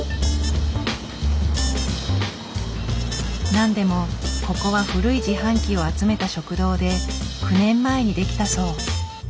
なんでもここは古い自販機を集めた食堂で９年前に出来たそう。